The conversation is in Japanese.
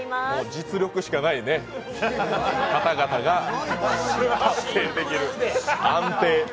実力しかない方々が達成できる、安定。